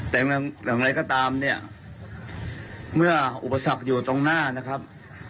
แต่อย่างไรก็ตามเนี่ยเมื่ออุปสรรคอยู่ตรงหน้านะครับ